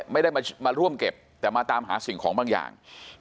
ไม่ได้มาร่วมเก็บแต่มาตามหาสิ่งของบางอย่าง